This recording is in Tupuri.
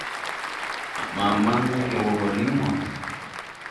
Ma maŋ me ge wɔ gɔ liŋ mono.